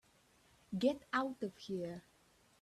Get out of here.